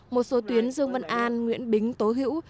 một số tuyến dương văn an nguyễn bính tố hữu